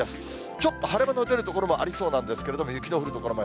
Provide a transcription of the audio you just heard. ちょっと晴れ間の出る所もありそうなんですけれども、雪の降る所もある。